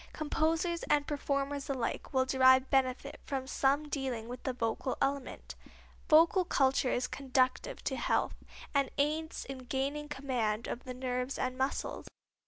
Composers and performers alike will derive benefit from some dealing with the vocal element. Vocal culture is conducive to health, and aids in gaining command of the nerves and muscles.